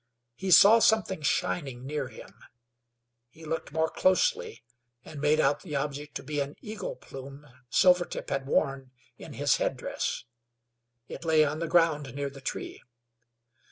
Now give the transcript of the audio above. He saw something shining near him. He looked more closely, and made out the object to be an eagle plume Silvertip had worn, in his head dress. It lay on the ground near the tree.